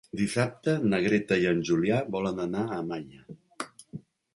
Dissabte na Greta i en Julià volen anar a Malla.